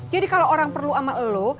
jadi kalau orang perlu sama elu